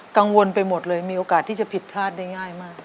กังวลไปหมดเลยมีโอกาสที่จะผิดพลาดได้ง่ายมาก